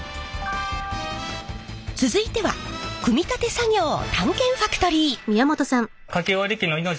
続いては組み立て作業を探検ファクトリー！